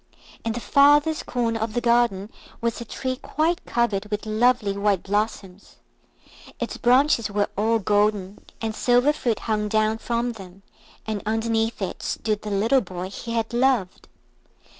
In the farthest corner of the garden was a tree quite covered with lovely white blossoms. Its branches were all golden, and silver fruit hung down from them, and underneath it stood the little boy he had loved.